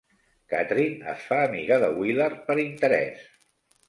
Cathryn es fa amiga de Willard per interès.